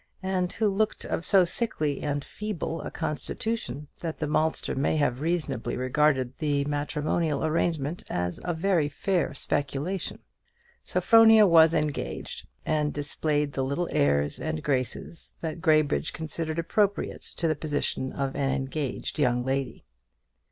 and who looked of so sickly and feeble a constitution that the maltster may have reasonably regarded the matrimonial arrangement as a very fair speculation. Sophronia was engaged, and displayed the little airs and graces that Graybridge considered appropriate to the position of an engaged young lady.